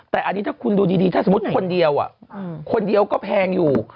แต่อันนี้ถ้าคุณดูดีถ้าสมมุติคนเดียวคนเดียวก็แพงอยู่